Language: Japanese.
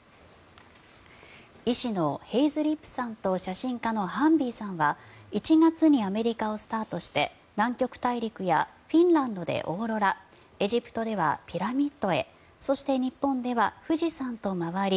医師のヘイズリップさんと写真家のハンビーさんは１月にアメリカをスタートして南極大陸やフィンランドでオーロラエジプトではピラミッドへそして日本では富士山と周り